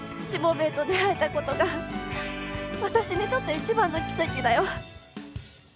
しもべえと出会えたことが私にとって一番の奇跡だよ。